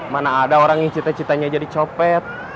mana ada orang yang cita citanya jadi copet